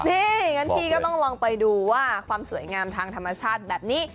นี่งั้นพี่ก็ต้องลองไปดูว่าความสวยงามทางธรรมชาติแบบนี้